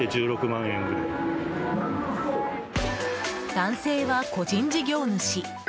男性は個人事業主。